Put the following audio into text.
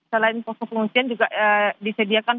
selain posko pengungsian juga disediakan